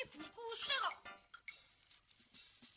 ini bagus kok